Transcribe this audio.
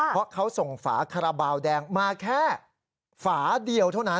เพราะเขาส่งฝาคาราบาลแดงมาแค่ฝาเดียวเท่านั้น